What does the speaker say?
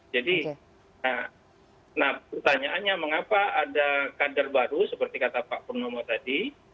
jadi nah pertanyaannya mengapa ada kader baru seperti kata pak purnomo tadi